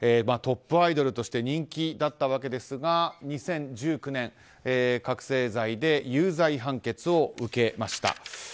トップアイドルとして人気だったわけですが２０１９年覚醒剤で有罪判決を受けました。